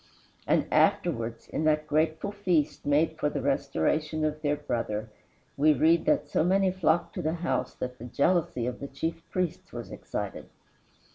And afterwards, in that grateful feast made for the restoration of their brother, we read that so many flocked to the house that the jealousy of the chief priests was excited.